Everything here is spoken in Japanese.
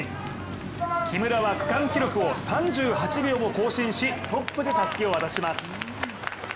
木村は区間記録を３８秒も更新しトップでたすきを渡します。